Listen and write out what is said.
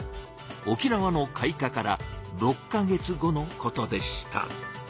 沖縄の開花から６か月後のことでした。